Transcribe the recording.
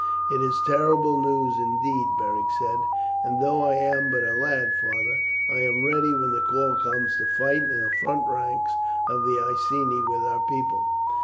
"It is terrible news, indeed," Beric said; "and though I am but a lad, father, I am ready when the call comes to fight in the front ranks of the Iceni with our people.